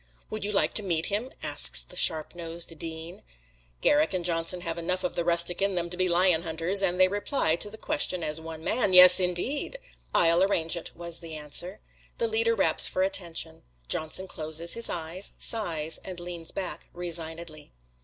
"Would you like to meet him?" asks the sharp nosed Dean. Garrick and Johnson have enough of the rustic in them to be lion hunters, and they reply to the question as one man, "Yes, indeed!" "I'll arrange it," was the answer. The leader raps for attention. Johnson closes his eyes, sighs, and leans back resignedly.